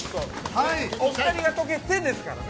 ◆お二人が解けて、ですからね。